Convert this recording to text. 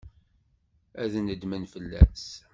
Ad nedmen fell-as.